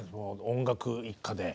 音楽一家で。